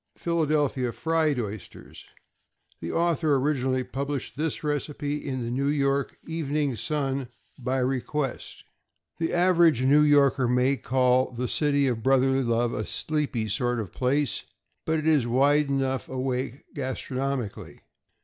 =Philadelphia Fried Oysters.= The author originally published this recipe in the New York "Evening Sun" by request. The average New Yorker may call the City of Brotherly Love a sleepy sort of a place, but it is wide enough awake gastronomically.